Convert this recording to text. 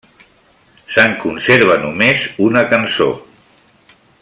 Se'n conserva només una cançó.